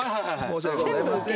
申し訳ございません。